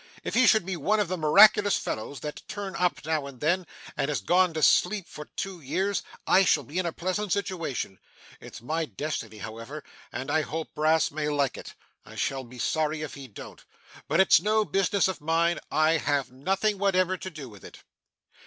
If he should be one of the miraculous fellows that turn up now and then, and has gone to sleep for two years, I shall be in a pleasant situation. It's my destiny, however, and I hope Brass may like it. I shall be sorry if he don't. But it's no business of mine I have nothing whatever to do with it!